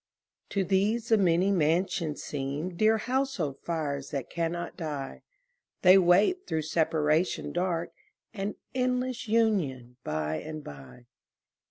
To these the many mansions seem Dear household fires that cannot die; They wait through separation dark An endless union by and by.